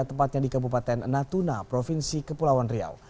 tepatnya di kabupaten natuna provinsi kepulauan riau